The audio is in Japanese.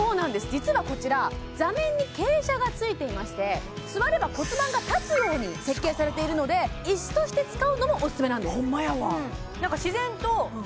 実はこちら座面に傾斜がついていまして座れば骨盤が立つように設計されているので椅子として使うのもオススメなんですホンマ